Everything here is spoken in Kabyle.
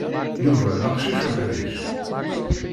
Yuba d aqcic uḥṛic.